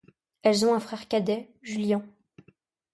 Elles ont un frère cadet, Julien.